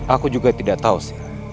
aku juga tidak tahu sih